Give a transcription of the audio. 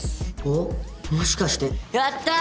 おっもしかしてやった！